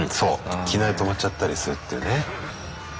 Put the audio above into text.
いきなり止まっちゃったりするっていうね。